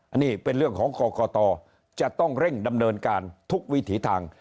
อันนี้เป็นเรื่องของกรกตจะต้องเร่งดำเนินการทุกวิถีทาง